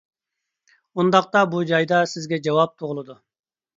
ئۇنداقتا بۇ جايدا سىزگە جاۋاب تۇغۇلىدۇ.